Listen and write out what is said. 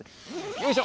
よいしょ。